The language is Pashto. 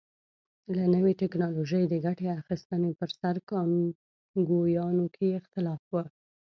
له نوې ټکنالوژۍ د ګټې اخیستنې پر سر کانګویانو کې اختلاف و.